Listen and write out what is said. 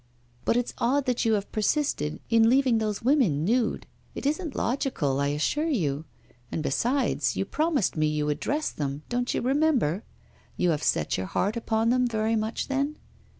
'But, it's odd that you have persisted in leaving those women nude. It isn't logical, I assure you; and, besides, you promised me you would dress them don't you remember? You have set your heart upon them very much then?